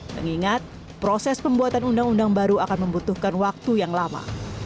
mengingat proses pembuatan undang undang baru akan membutuhkan waktu yang lama